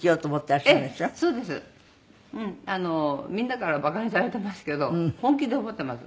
みんなから馬鹿にされていますけど本気で思っています。